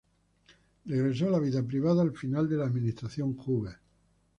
Regresó a la vida privada al final de la administración Hoover.